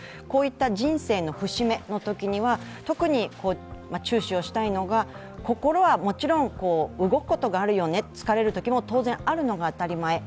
こういった人生の節目のときには特に注視をしたいのが、心はもちろん動くことがあるよね、疲れるときも当然あるのが当たり前。